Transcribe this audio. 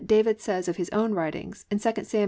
David says of his own writings, in 2 Sam.